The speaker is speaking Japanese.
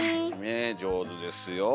上手ですよ。